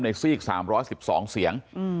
ซีก๓๑๒เสียง